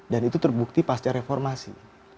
dan itu terbukti pas ada reformasi